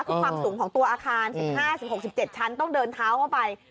คือความสูงของตัวอาคาร๑๕๑๖๑๗ชั้นต้องเดินเท้าเข้าไป